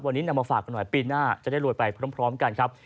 วันนี้นำมาฝากกันหน่อยปีหน้าจะได้รวยไปพร้อมกันครับ